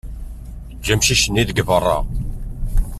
Eǧǧ amcic-nni deg berra.